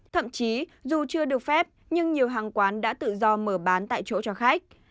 thậm chí dù chưa được phép nhưng nhiều hàng quán đã tự do mở bán tại chỗ cho khách